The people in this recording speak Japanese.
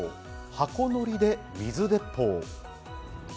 箱乗りで水鉄砲。